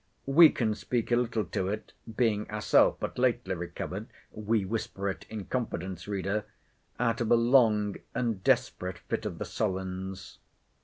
We can speak a little to it, being ourself but lately recovered—we whisper it in confidence, reader—out of a long and desperate fit of the sullens.